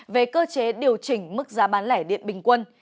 về cơ chế điều chỉnh mức giá bán lẻ điện bình quân